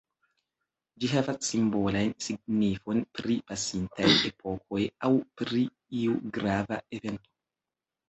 Ĝi havas simbolan signifon pri pasintaj epokoj aŭ pri iu grava evento.